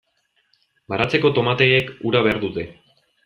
Baratzeko tomateek ura behar dute.